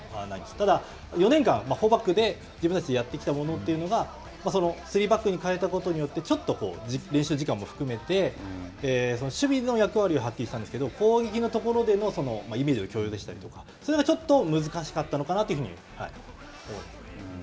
ただ、４年間、４バックで自分たちでやってきたものというのが３バックに変えたことによってちょっと練習時間も含めて守備の役割ははっきりしたんですけれども、攻撃のところでの共有でしたりとか、そういうのがちょっと難しかったのかなというふうに。